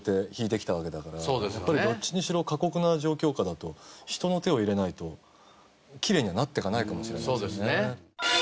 やっぱりどっちにしろ過酷な状況下だと人の手を入れないときれいにはなっていかないかもしれないですよね。